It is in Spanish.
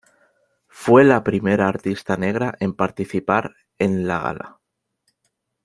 Fue la primera artista negra en participar en la gala.